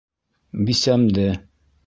Бисәмде.